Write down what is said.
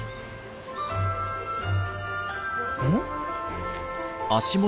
うん？